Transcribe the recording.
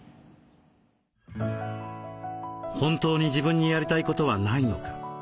本当に自分にやりたいことはないのか？